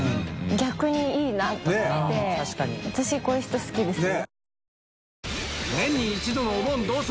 佞いいなと思って私こういう人好きですよ。